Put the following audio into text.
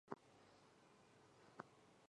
弹箱挂在武器站左侧。